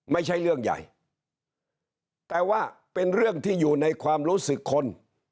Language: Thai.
ไม่ใช่เรื่องใหญ่แต่ว่าเป็นเรื่องที่อยู่ในความรู้สึกคน